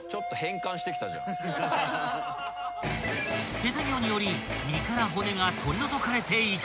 ［手作業により身から骨が取り除かれていく］